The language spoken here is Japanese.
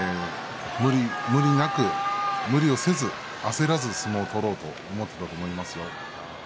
無理をせず焦らず相撲を取ろうと思っていたと思います。